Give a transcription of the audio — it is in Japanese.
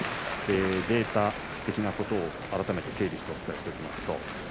データ的なことを改めて整理します。